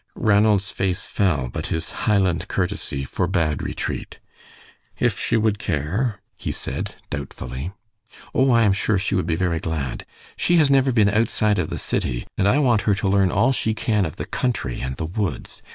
Ranald's face fell, but his Highland courtesy forbade retreat. "If she would care," he said, doubtfully. "Oh, I am sure she would be very glad! She has never been outside of the city, and I want her to learn all she can of the country and the woods.